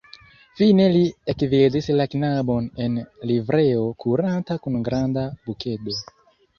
Fine li ekvidis la knabon en livreo kuranta kun granda bukedo.